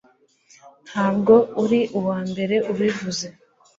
Ntabwo uri uwambere ubivuze.